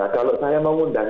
kalau saya mau mengundang